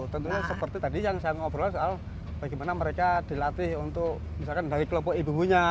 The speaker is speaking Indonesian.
tentunya seperti tadi yang saya ngobrol soal bagaimana mereka dilatih untuk misalkan dari kelompok ibu ibunya